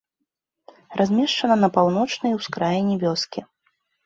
Размешчана на паўночнай ускраіне вёскі.